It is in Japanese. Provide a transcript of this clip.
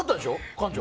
館長。